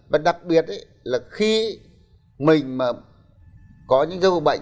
và đặc biệt là khi mình mà có những dấu bệnh